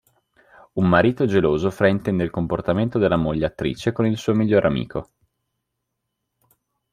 Un marito geloso fraintende il comportamento della moglie attrice con il suo miglior amico.